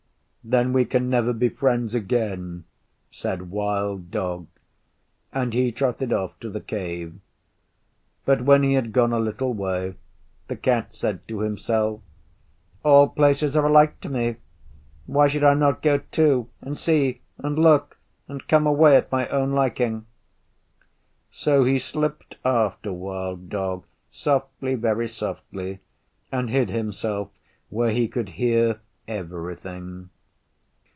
'Then we can never be friends again,' said Wild Dog, and he trotted off to the Cave. But when he had gone a little way the Cat said to himself, 'All places are alike to me. Why should I not go too and see and look and come away at my own liking.' So he slipped after Wild Dog softly, very softly, and hid himself where he could hear everything.